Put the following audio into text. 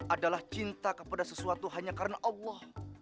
adalah cinta kepada sesuatu hanya karena allah